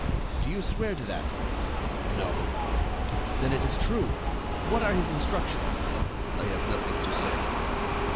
"Do you swear to that?" "No." "Then it is true. What are his instructions?" "I have nothing to say."